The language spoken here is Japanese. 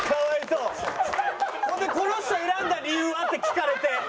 それで「この人を選んだ理由は？」って聞かれて。